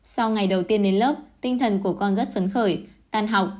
sau ngày đầu tiên đến lớp tinh thần của con rất phấn khởi tan học